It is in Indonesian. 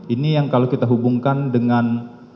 ini yang kalau kita hubungkan dengan